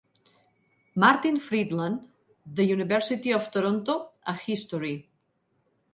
Martin Friedland, The University of Toronto. A History.